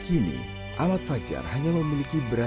itu waktu di mana itu bu